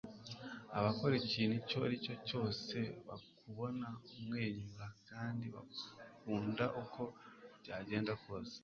abakora ikintu icyo ari cyo cyose bakubona umwenyura, kandi bagukunda uko byagenda kose